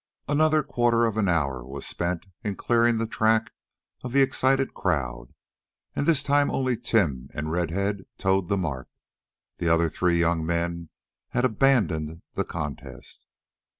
Another quarter of an hour was spent in clearing the track of the excited crowd, and this time only Tim and Red head toed the mark. The other three young men had abandoned the contest.